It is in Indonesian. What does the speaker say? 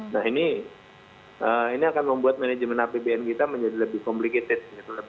nah ini akan membuat manajemen apbn kita menjadi lebih complicated